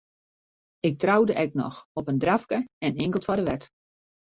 Ik troude ek noch, op in drafke en inkeld foar de wet.